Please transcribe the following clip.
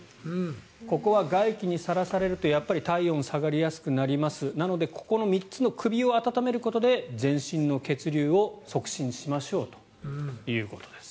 ここは外気にさらされると体温が下がりやすくなりますなので、ここの３つの首を温めることで全身の血流を促進しましょうということです。